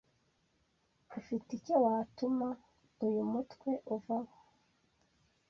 Ufite icyo watuma uyu mutwe uvaho?